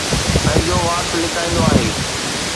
پنهنجو وات لڪائيندو آهي.